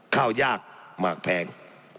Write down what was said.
ข้าวยากหมากแพง